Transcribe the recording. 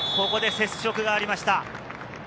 ここで接触がありました。